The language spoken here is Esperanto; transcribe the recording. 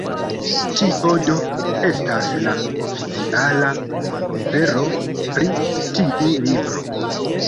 Tio do estas la oficiala vero pri tiu libro.